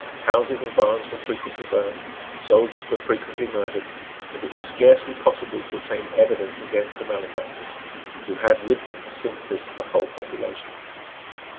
Houses and barns were frequently burned; soldiers were frequently murdered; and it was scarcely possible to obtain evidence against the malefactors, who had with them the sympathies of the whole population.